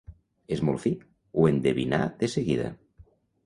És molt fi: ho endevinà de seguida.